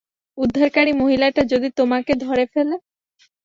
উদ্ধারকারী মহিলাটা যদি তোমাকে ধরে ফেলে?